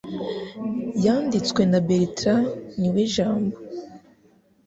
Yanditswe na bertrand niwejambo